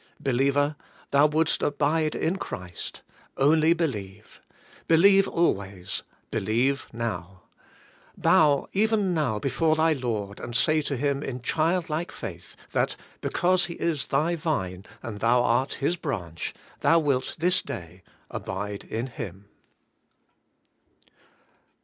Believer, thou wouldest abide in Christ: only be lieve. Believe always ; believe now. Bow even now before thy Lord, and say to Him in childlike faith, that because He is thy Vine, and thou art His branch, thou wilt this day abide in Him.